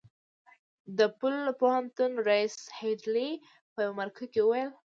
د يل پوهنتون رييس هيډلي په يوه مرکه کې وويل.